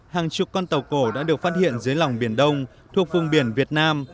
hàng chục con tàu cổ đã được phát hiện dưới lòng biển đông thuộc vùng biển việt nam